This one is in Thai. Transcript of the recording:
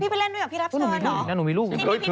พี่ไปเล่นด้วยกับพี่รับเชิญเหรอแล้วหนูมีลูก